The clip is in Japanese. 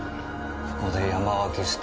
ここで山分けした。